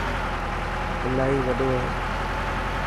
الاهي وڏو هي.